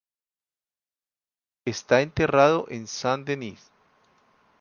Está enterrado en Saint-Denis.